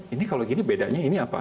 ini kalau gini bedanya ini apa